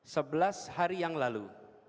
sebelas hari yang lalu